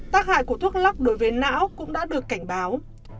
tác hại của thuốc lóc đối với não cũng đã được cảnh báo